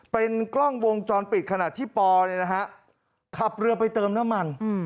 เป็นกล้องวงจรปิดขณะที่ปอขับเรือไปเติมน้ำมัน